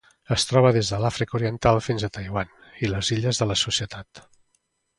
Es troba des de l'Àfrica Oriental fins a Taiwan i les Illes de la Societat.